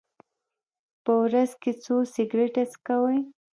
په ورځ کې څو سګرټه څکوئ؟